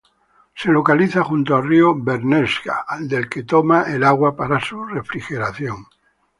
Se localiza junto al río Bernesga, del que toma el agua para su refrigeración.